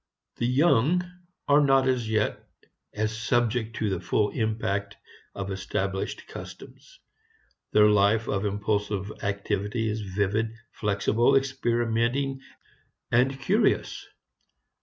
The young are not as yet as subject to the full impact of established customs. Their life of impulsive activity is vivid, flexible, experimenting, curious.